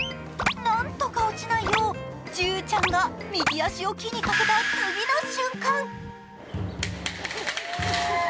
なんとか落ちないようジュユちゃんが右足を木にかけた次の瞬間